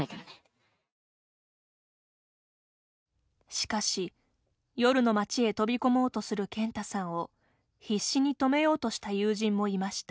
しかし、夜の街へ飛びこもうとする健太さんを必死に止めようとした友人もいました。